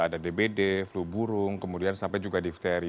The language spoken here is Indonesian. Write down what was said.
ada dbd flu burung kemudian sampai juga difteri